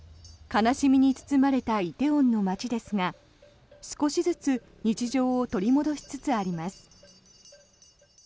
悲しみに包まれた梨泰院の街ですが少しずつ日常を取り戻しつつあります。